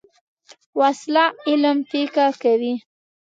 وسله علم پیکه کوي